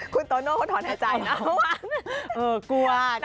คุณโตโน่คนถอนหายใจนะมาพอวาน